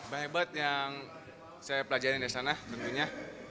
bahaya banget yang saya pelajari dari sana tentunya